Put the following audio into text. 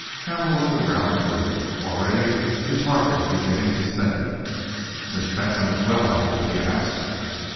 Hamel looked around the room. Already his heart was beginning to sink. "Miss Fentolin is well, I hope?" he asked.